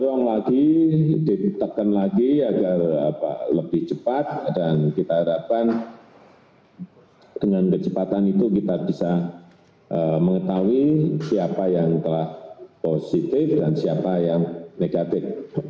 tolong lagi ditekan lagi agar lebih cepat dan kita harapkan dengan kecepatan itu kita bisa mengetahui siapa yang telah positif dan siapa yang negatif